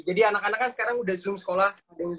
jadi anak anak kan sekarang udah zoom sekolah